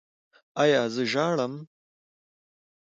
ایا زه ژاړم؟